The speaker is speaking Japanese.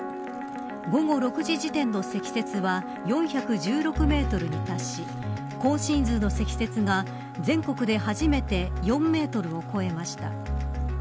午後６時時点の積雪は４１６メートルに達し今シーズンの積雪が全国で初めて４メートルを超えました。